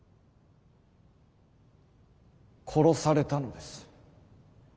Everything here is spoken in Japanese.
殺されたのです。